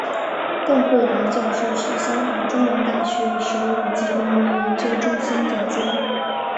邓慧兰教授是香港中文大学手语及聋人研究中心总监。